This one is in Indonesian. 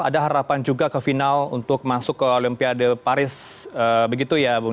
ada harapan juga ke final untuk masuk ke olimpiade paris begitu ya bung